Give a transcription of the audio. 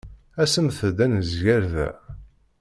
Asemt-d ad nezger da.